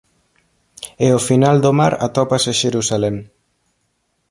E ó final do mar atópase Xerusalén.